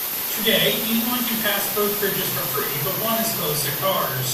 Today, anyone can pass both bridges for free, but one is closed to cars.